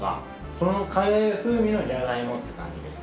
このカレー風味のじゃが芋って感じです。